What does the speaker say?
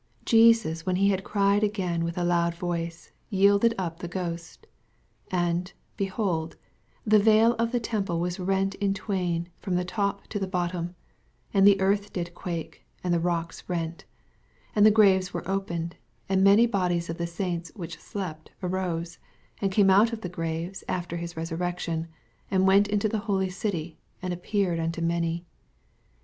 50 Jesus, when he hud cried again with a loud voice, yielded up the ghost. 61 And, behold, the veil of the tem ple was rent in twain from the top to the bottom : and the earth did quake, and the rocks rent ; 52 And the graves were opened; and many bodies of the saints which slept arose, 53 And came out of the graves after his resurrection, and went into the holy city, and appeared unto many.